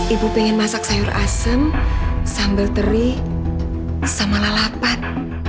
ibu pengen masak sayur asem sambal teri sama lalapat